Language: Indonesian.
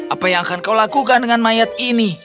apa yang akan kau lakukan dengan mayat ini